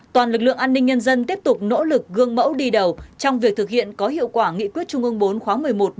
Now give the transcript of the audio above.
toàn lực lượng an ninh nhân dân tiếp tục nỗ lực gương mẫu đi đầu trong việc thực hiện có hiệu quả nghị quyết trung ương bốn khóa một mươi một